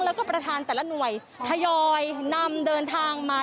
แล้วก็ประธานแต่ละหน่วยทยอยนำเดินทางมา